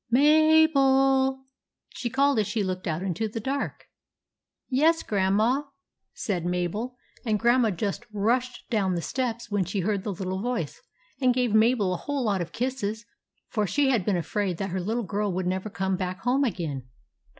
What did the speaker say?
Mabel!" she called as she looked out into the dark. 12 THE ADVENTURES OF MABEL "Yes, Grandma," said Mabel. And Grandma just rushed down the steps when she heard the little voice, and gave Mabel a whole lot of kisses, for she had been afraid that her little girl would never come back home again.